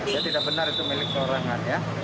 jadi tidak benar itu milik keluarganya